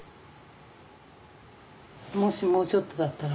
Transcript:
もしもうちょっとだったら。